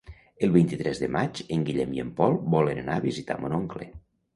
El vint-i-tres de maig en Guillem i en Pol volen anar a visitar mon oncle.